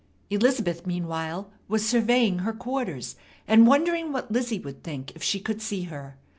Elizabeth, meanwhile, was surveying her quarters, and wondering what Lizzie would think if she could see her.